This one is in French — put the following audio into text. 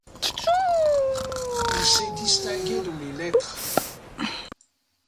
Il s'est distingué dans les lettres.